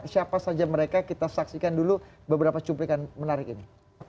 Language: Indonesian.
siapa saja mereka kita saksikan dulu beberapa cuplikan menarik ini